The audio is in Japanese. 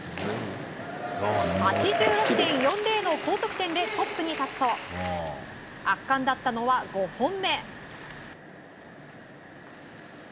８６．４０の高得点でトップに立つと圧巻だったのは５本目。